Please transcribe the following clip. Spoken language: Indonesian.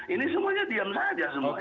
ini semuanya diam saja